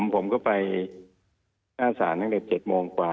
ผมก็ไปหน้าศาลตั้งแต่๗โมงกว่า